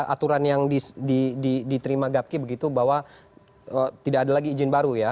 aturan yang diterima gapki begitu bahwa tidak ada lagi izin baru ya